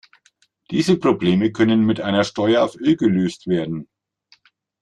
Diese Probleme können mit einer Steuer auf Öl gelöst werden.